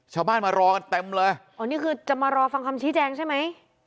ชาวบ้านมารอกันเต็มเลยอ๋อนี่คือจะมารอฟังคำชี้แจงใช่ไหม